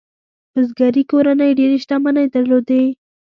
بزګري کورنۍ ډېرې شتمنۍ درلودې.